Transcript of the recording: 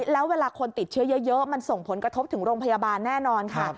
แล้วเวลาคนติดเชื้อเยอะมันส่งผลกระทบถึงโรงพยาบาลแน่นอนค่ะ